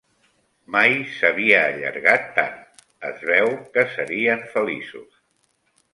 Mai s'havia allargat tan. Es veu que serien feliços.